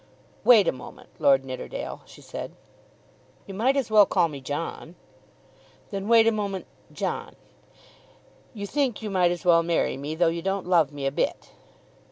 "Wait a moment, Lord Nidderdale," she said. "You might as well call me John." "Then wait a moment, John. You think you might as well marry me, though you don't love me a bit."